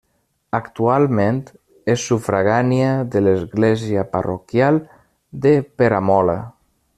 Actualment és sufragània de l'església parroquial de Peramola.